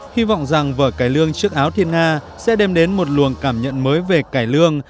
hy vọng rằng vở cải lương chiếc áo thiên nga sẽ đem đến một luồng cảm nhận mới về cải lương